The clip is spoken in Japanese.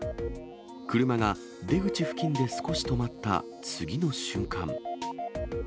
車が出口付近で少し止まった次の瞬間。